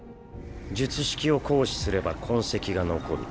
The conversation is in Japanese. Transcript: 術式を行使すれば痕跡が残る。